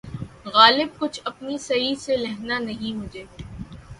غالبؔ! کچھ اپنی سعی سے لہنا نہیں مجھے